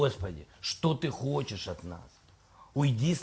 saya bebas sini duduk